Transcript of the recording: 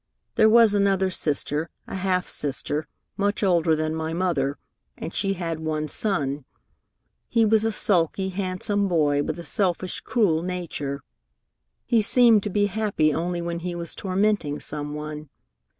There was another sister, a half sister, much older than my mother, and she had one son. He was a sulky, handsome boy, with a selfish, cruel nature. He seemed to be happy only when he was tormenting some one.